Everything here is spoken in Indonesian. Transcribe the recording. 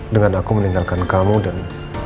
dengan aku meninggalkan kamu dan